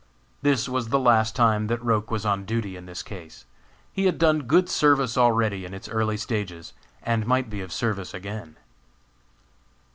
This was the last time that Roch was on duty in this case. He had done good service already in its early stages, and might be of service again.